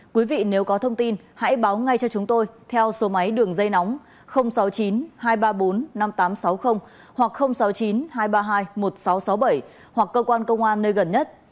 quý vị nếu có thông tin hãy báo ngay cho chúng tôi theo số máy đường dây nóng sáu mươi chín hai trăm ba mươi bốn năm nghìn tám trăm sáu mươi hoặc sáu mươi chín hai trăm ba mươi hai một nghìn sáu trăm sáu mươi bảy hoặc cơ quan công an nơi gần nhất